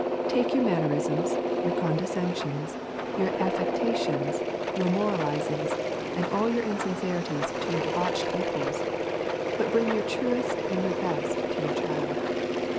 Take your mannerisms, your condescensions, your affectations, your moralisings, and all your insincerities to your debauched equals, but bring your truest and your best to your child.